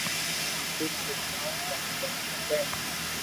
تو ھي ھڻاو ڪاو ڪروُ کپي